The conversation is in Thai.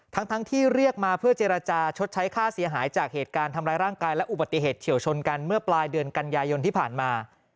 ทั้งที่เรียกมาเพื่อเจรจาชดใช้ค่าเสียหายจากเหตุการณ์ทำร้ายร่างกายและอุบัติเหตุเฉียวชนกันเมื่อปลายเดือนกันยายนที่ผ่านมา